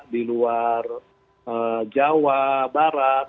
di luar jawa barat